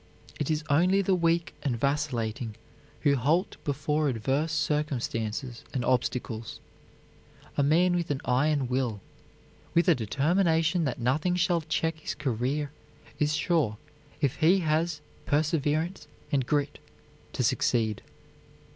It is only the weak and vacillating who halt before adverse circumstances and obstacles. A man with an iron will, with a determination that nothing shall check his career, is sure, if he has perseverance and grit, to succeed.